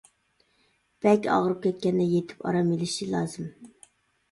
بەك ئاغرىپ كەتكەندە، يېتىپ ئارام ئېلىشى لازىم.